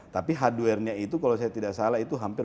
tapi hardware nya itu kalau saya tidak salah itu hampir